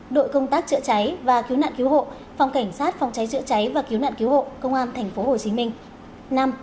bốn đội công tác chữa cháy và cứu nạn cứu hộ phòng cảnh sát phòng cháy chữa cháy và cứu nạn cứu hộ công an tp hồ chí minh